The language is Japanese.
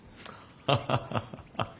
ハハハハハ。